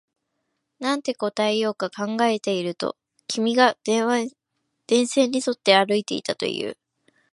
なんて答えようか考えていると、君が電線に沿って歩いていたと言う